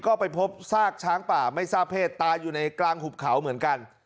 ก็ไปพบซากช้างป่าไม่ทราบเพศตายอยู่ในกลางหุบเขาเหมือนกัน